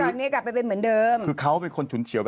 พลิกต๊อกเต็มเสนอหมดเลยพลิกต๊อกเต็มเสนอหมดเลย